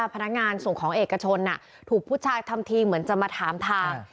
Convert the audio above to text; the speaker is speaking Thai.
พนักงานส่งของเอกชนถูกผู้ชายทำทีเหมือนจะมาถามทาง